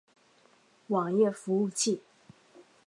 网页服务器。